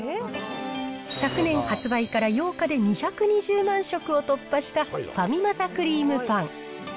昨年、発売から８日で２２０万食を突破したファミマ・ザ・クリームパン。